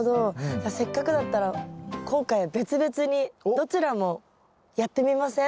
じゃあせっかくだったら今回は別々にどちらもやってみません？